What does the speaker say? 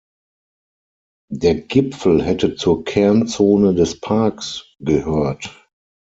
Der Gipfel hätte zur Kernzone des Parks gehört.